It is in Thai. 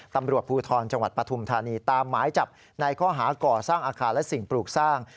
ตำรวจภูทรจังหวัดปฐุมธานีตามหมายจับในข้อหาก่อสร้างอาคารและสิ่งปลูกสร้าง